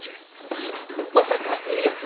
あまさかいいやつ！？